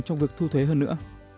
trong việc thu thuế hơn nữa